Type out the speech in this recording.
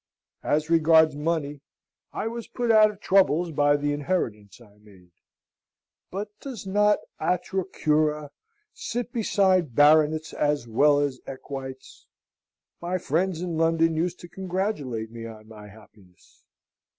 As regards money I was put out of trouble by the inheritance I made: but does not Atra Cura sit behind baronets as well as equites? My friends in London used to congratulate me on my happiness.